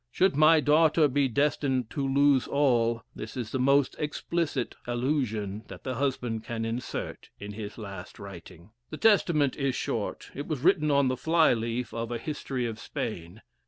Should my daughter be destined to lose all this is the most explicit allusion that the husband can insert in his last writing." "The Testament is short. It was written on the fly leaf of a 'History of Spain.'